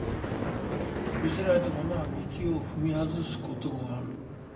魅せられた者は道を踏み外すこともある。